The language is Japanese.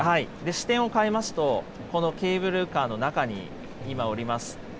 視点を変えますと、このケーブルカーの中に今おります。